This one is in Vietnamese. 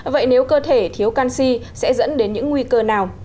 vậy nếu cơ thể thiếu canxi sẽ dẫn đến những nguy cơ nào